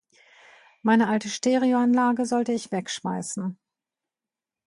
Meine alte Stereoanlage sollte ich wegschmeißen.